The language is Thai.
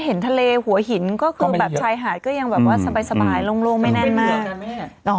เห็นทะเลหัวหินก็คือแบบชายหาดก็ยังแบบว่าสบายโล่งไม่แน่นมาก